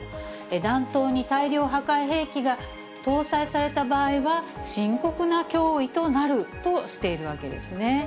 弾頭に大量破壊兵器が搭載された場合は、深刻な脅威となるとしているわけですね。